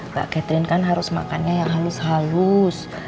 mbak catherine kan harus makannya yang halus halus